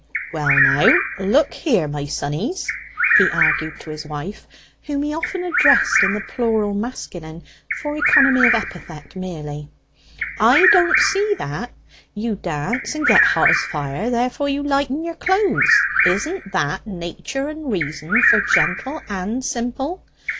"Well, now, look here, my sonnies," he argued to his wife, whom he often addressed in the plural masculine for economy of epithet merely; "I don't see that. You dance and get hot as fire; therefore you lighten your clothes. Isn't that nature and reason for gentle and simple?